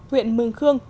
huyện mương khương